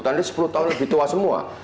jadi sepuluh tahun lebih tua semua